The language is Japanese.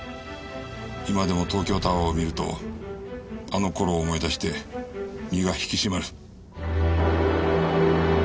今でも東京タワーを見るとあの頃を思い出して身が引き締まる。